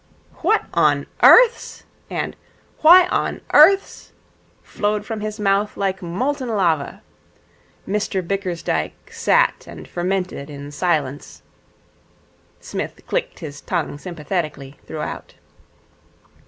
'What on earth's', and 'Why on earth's' flowed from his mouth like molten lava. Mr Bickersdyke sat and fermented in silence. Psmith clicked his tongue sympathetically throughout.